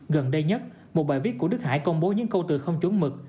gần đây nhất một bài viết của đức hải công bố những câu từ không chuẩn mực